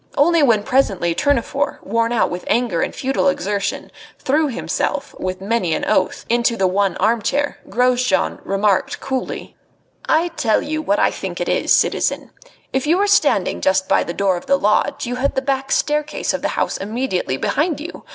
Only when presently Tournefort, worn out with anger and futile exertion, threw himself, with many an oath, into the one armchair, Grosjean remarked coolly: "I tell you what I think it is, citizen. If you were standing just by the door of the lodge you had the back staircase of the house immediately behind you.